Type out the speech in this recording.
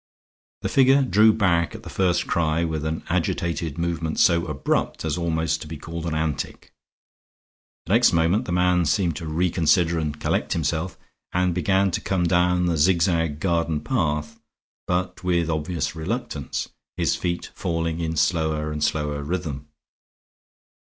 The figure drew back at the first cry, with an agitated movement so abrupt as almost to be called an antic. The next moment the man seemed to reconsider and collect himself, and began to come down the zigzag garden path, but with obvious reluctance, his feet falling in slower and slower rhythm.